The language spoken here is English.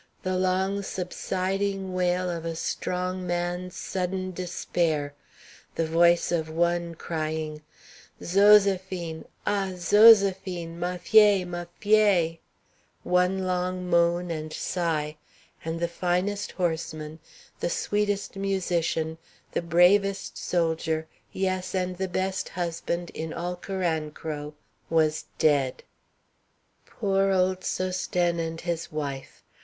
the long, subsiding wail of a strong man's sudden despair, the voice of one crying, "Zoséphine! Ah! Zoséphine! ma vieille! ma vieille!" one long moan and sigh, and the finest horseman, the sweetest musician, the bravest soldier, yes, and the best husband, in all Carancro, was dead. Poor old Sosthène and his wife!